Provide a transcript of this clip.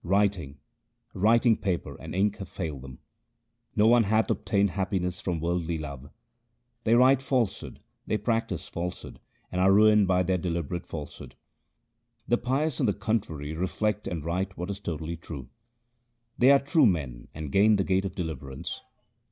Writing, writing paper, and ink have failed them — No one hath obtained happiness from worldly love — They write falsehood, they practise falsehood, and are ruined by their deliberate falsehood. The pious on the contrary reflect and write what is totally true ; They are true men and gain the gate of deliverance.